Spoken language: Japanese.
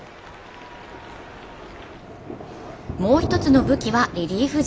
もう一つの武器はリリーフ陣。